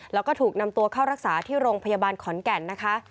แล้วก็ถูกนำตัวเข้ารักษาที่โรงพยาบาลขอนแก่นนะคะ